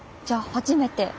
じゃあ初めて。